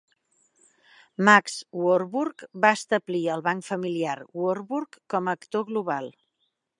Max Warburg va establir el banc familiar Warburg com a "actor global".